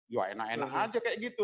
ya enak enak aja kayak gitu